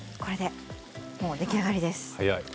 これでもう出来上がりです。